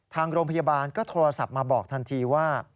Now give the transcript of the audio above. ทางโรงพยาบาลก็โทรศัพท์มาบอกทันทีว่า